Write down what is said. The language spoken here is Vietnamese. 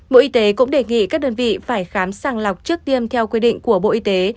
bộ y tế cũng đề nghị các đơn vị phải khám sàng lọc trước tiêm theo quy định của bộ y tế